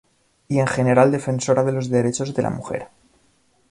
Y en general defensora de los derechos de la mujer.